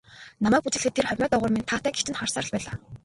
Намайг бүжиглэхэд тэр хормой доогуур минь таатай гэгч нь харсаар л байлаа.